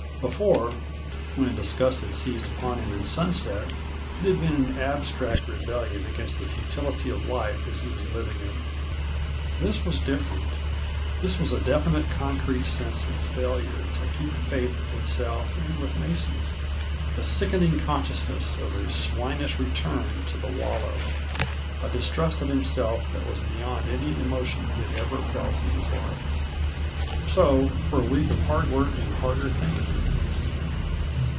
Before, when disgust had seized upon him in Sunset, it had been an abstract rebellion against the futility of life as he was living it. This was different: This was a definite, concrete sense of failure to keep faith with himself and with Mason; the sickening consciousness of a swinish return to the wallow; a distrust of himself that was beyond any emotion he had ever felt in his life. So, for a week of hard work and harder thinking.